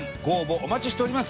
お待ちしております。